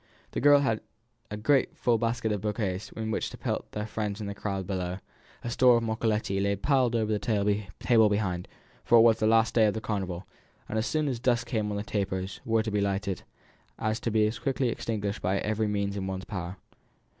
The girls had a great basket full of bouquets with which to pelt their friends in the crowd below; a store of moccoletti lay piled on the table behind, for it was the last day of Carnival, and as soon as dusk came on the tapers were to be lighted, to be as quickly extinguished by every means in everyone's power.